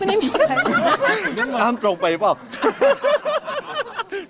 ไม่ได้มีใครนั่งตรงไปหรือเปล่า